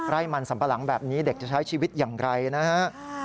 ไร่มันสัมปะหลังแบบนี้เด็กจะใช้ชีวิตอย่างไรนะฮะ